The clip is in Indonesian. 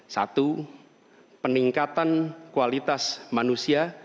satu peningkatan kualitas manusia